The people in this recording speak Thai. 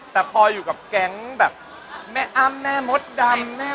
แต่พออยู่กับแก๊งแบบแม่อัมแม่มสดำแม่๕๕